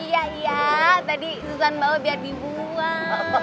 iya iya tadi susan bawa biar dibuang